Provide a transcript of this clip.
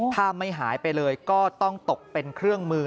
ถ้าไม่หายไปเลยก็ต้องตกเป็นเครื่องมือ